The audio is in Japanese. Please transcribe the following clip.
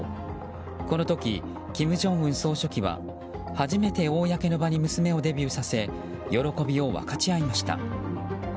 この時、金正恩総書記は初めて公の場に娘をデビューさせ喜びを分かち合いました。